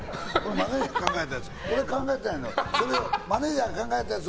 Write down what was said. マネジャーが考えたやつ。